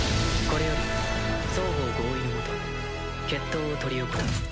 これより双方合意の下決闘を執り行う。